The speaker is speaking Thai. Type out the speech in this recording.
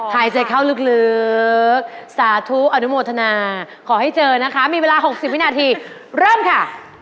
หายใจเข้าลึกสาธุอนุโมทนาขอให้เจอนะคะมีเวลา๖๐วินาทีเริ่มค่ะ